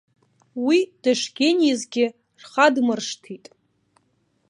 Уи дышгенизгьы рхадмыршҭит.